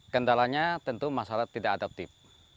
kendalanya tentu masalah tidak adaptif